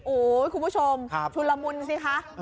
โอ้โหคุณผู้ชมชุนละมุนสิคะ